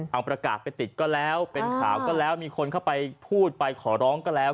เอาประกาศไปติดก็แล้วเป็นข่าวก็แล้วมีคนเข้าไปพูดไปขอร้องก็แล้ว